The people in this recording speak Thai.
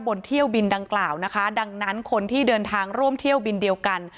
เที่ยวบินดังกล่าวนะคะดังนั้นคนที่เดินทางร่วมเที่ยวบินเดียวกัน